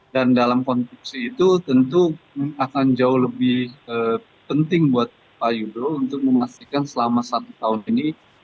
dan dalam konteksi itu tentu akan jauh lebih penting buat pak yudho untuk memastikan selama satu tahun ini